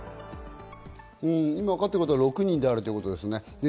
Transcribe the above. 今、わかっていることは６人であるということですね。